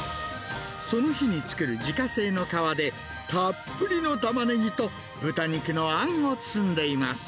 その日に作る自家製の皮で、たっぷりのタマネギと豚肉のあんを包んでいます。